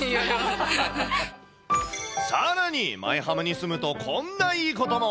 さらに、舞浜に住むとこんないいことも。